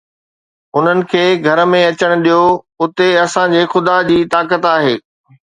انهن کي گهر ۾ اچڻ ڏيو، اتي اسان جي خدا جي طاقت آهي